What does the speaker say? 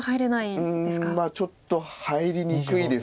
うんちょっと入りにくいです